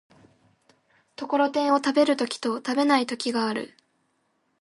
ところてんを食べる時と食べない時がある。